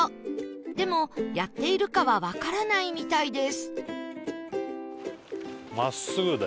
でもやっているかはわからないみたいです